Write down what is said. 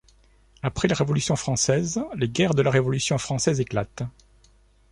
Après la Révolution française, les guerres de la Révolution française éclatent.